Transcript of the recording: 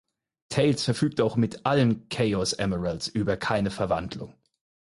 Tails verfügt auch mit allen Chaos Emeralds über keine Verwandlung.